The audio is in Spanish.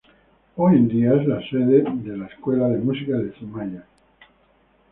Hoy en día es la sede la Escuela de Música de Zumaya.